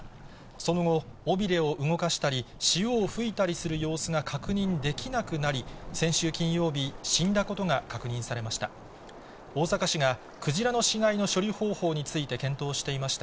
その後、尾びれを動かしたり、潮を噴いたりする様子が確認できなくなり、先週金曜日、死んだことが確認されました。